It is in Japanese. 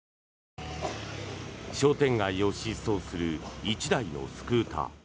商店街を疾走する１台のスクーター。